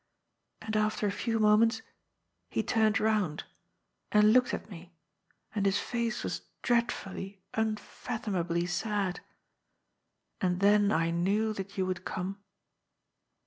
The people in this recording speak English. And after a few moments, he turned round and looked at me, and his face was dread fully, unf athomably sad. And then I knew that you would come."